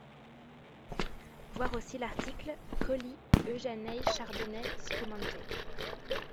Voir aussi l’article Colli Euganei Chardonnay spumante.